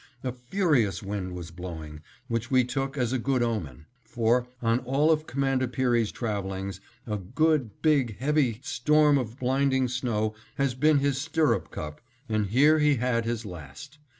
A furious wind was blowing, which we took as a good omen; for, on all of Commander Peary's travelings, a good big, heavy, storm of blinding snow has been his stirrup cup and here he had his last.